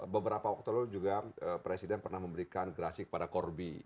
beberapa waktu lalu juga presiden pernah memberikan gerasi kepada corby